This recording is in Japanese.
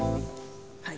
はい。